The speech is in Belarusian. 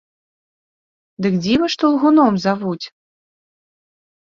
Дык дзіва, што лгуном завуць?!